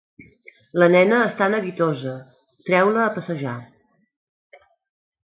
La nena està neguitosa: treu-la a passejar.